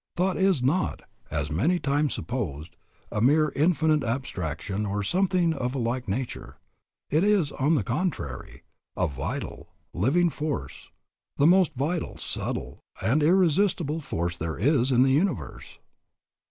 Thought is not, as is many times supposed, a mere indefinite abstraction, or something of a like nature. It is, on the contrary, a vital, living force, the most vital, subtle, and irresistible force there is in the universe.